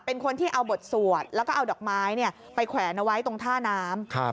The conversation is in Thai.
เป็นคนที่เอาบทสวดแล้วก็เอาดอกไม้ไปแขวนเอาไว้ตรงท่าน้ำ